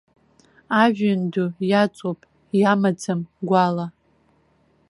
Ажәҩан ду иаҵоуп, иамаӡам гәала!